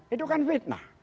itu kan fitnah